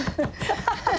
ハハハハ！